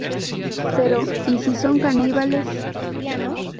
Pero... ¿ y si son caníbales?.